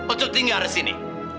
untuk tinggal di sini